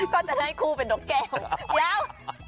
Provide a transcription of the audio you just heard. ก็จะทันให้คู่เป็นนกแก่ว